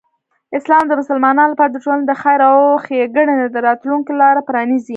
اسلام د مسلمانانو لپاره د ټولنې د خیر او ښېګڼې د راتلوونکی لاره پرانیزي.